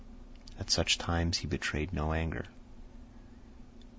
At such times he betrayed no anger.